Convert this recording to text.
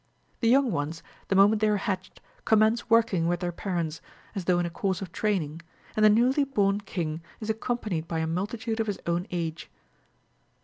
The young ones, the moment they are hatched, commence working with their parents, as though in a course of training, and the newly born king is accompanied by a multitude of his own age.